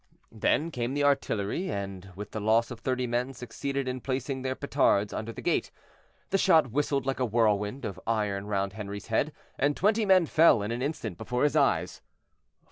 Then came the artillery, and with the loss of thirty men succeeded in placing their petards under the gate. The shot whistled like a whirlwind of iron round Henri's head, and twenty men fell in an instant before his eyes.